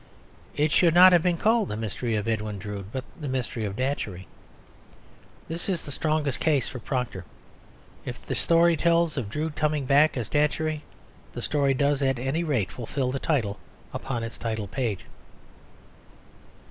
It should not have been called The Mystery of Drood, but The Mystery of Datchery. This is the strongest case for Proctor; if the story tells of Drood coming back as Datchery, the story does at any rate fulfil the title upon its title page.